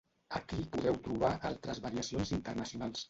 Aquí podeu trobar altres variacions internacionals.